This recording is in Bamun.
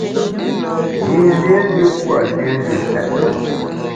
Yî liénjù pua liénjù nsètne.